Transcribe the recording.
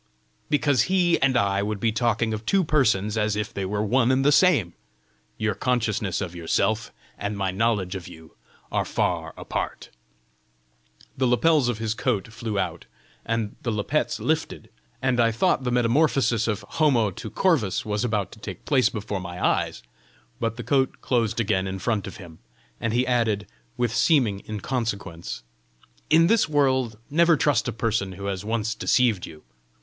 "Because he and I would be talking of two persons as if they were one and the same. Your consciousness of yourself and my knowledge of you are far apart!" The lapels of his coat flew out, and the lappets lifted, and I thought the metamorphosis of HOMO to CORVUS was about to take place before my eyes. But the coat closed again in front of him, and he added, with seeming inconsequence, "In this world never trust a person who has once deceived you.